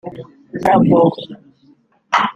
Labo